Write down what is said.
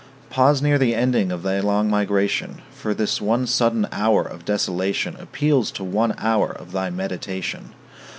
Pause near the ending of thy long migration; For this one sudden hour of desolation Appeals to one hour of thy meditation.